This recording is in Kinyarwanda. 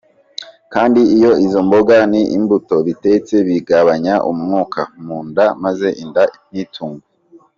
Kandi iyo izo mboga n`imbuto bitetse bigabanya umwuka mu nda maze inda ntitumbe.